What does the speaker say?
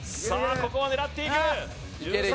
ここは狙っていく１３